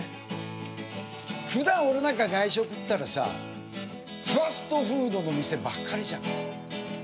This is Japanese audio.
ふだん俺なんか外食ったらさファストフードの店ばっかりじゃん。